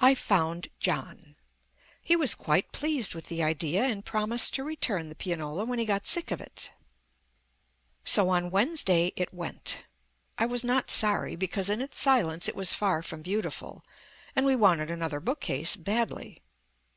I found John. He was quite pleased with the idea, and promised to return the pianola when he got sick of it. So on Wednesday it went. I was not sorry, because in its silence it was far from beautiful, and we wanted another book case badly.